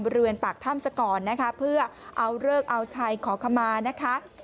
บริเวณปากถ้ำสกรเพื่อเอาเลิกเอาไชขอคำมานะคะ